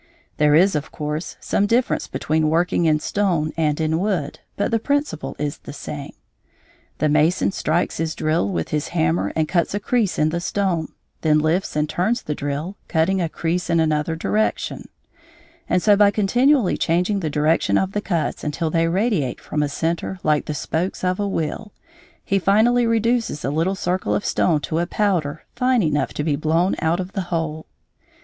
There is, of course, some difference between working in stone and in wood, but the principle is the same. The mason strikes his drill with his hammer and cuts a crease in the stone; then lifts and turns the drill, cutting a crease in another direction; and so by continually changing the direction of the cuts until they radiate from a centre like the spokes of a wheel, he finally reduces a little circle of stone to a powder fine enough to be blown out of the hole.